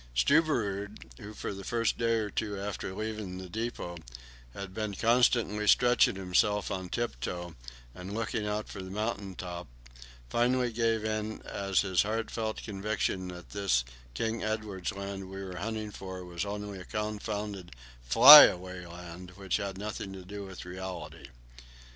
Stubberud, who for the first day or two after leaving the depot had been constantly stretching himself on tiptoe and looking out for mountain tops, finally gave it as his heartfelt conviction that this King Edward Land we were hunting for was only a confounded "Flyaway Land," which had nothing to do with reality.